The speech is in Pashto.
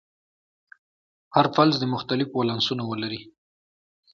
هر فلز دې مختلف ولانسونه ولري.